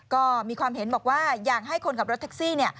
ก็มีความเห็นบอกว่าอยากให้คนขับรถแท็กซี่